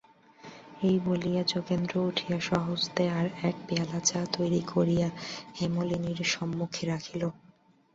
এই বলিয়া যোগেন্দ্র উঠিয়া স্বহস্তে আর-এক পেয়ালা চা তৈরি করিয়া হেমনলিনীর সম্মুখে রাখিল।